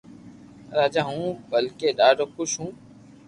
راجي ھون بلڪي ڌادو خوݾ ھون